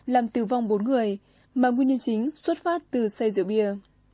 làm tử vong bốn người mà nguyên nhân chính xuất phát từ xe rượu bia